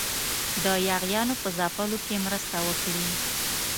د یاغیانو په ځپلو کې مرسته وکړي.